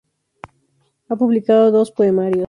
Ha publicado dos poemarios.